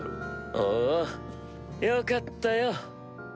ほうよかったよ。